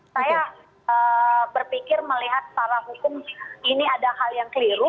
saya berpikir melihat secara hukum ini ada hal yang keliru